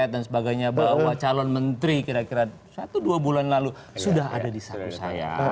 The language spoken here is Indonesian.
dan sebagainya bahwa calon menteri kira kira satu dua bulan lalu sudah ada di saku saya